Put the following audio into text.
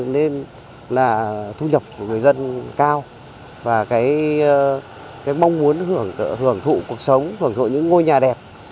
nên là thu nhập của người dân cao và mong muốn hưởng thụ cuộc sống hưởng thụ những ngôi nhà đẹp